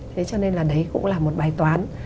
thế cho nên là đấy cũng là một bài toán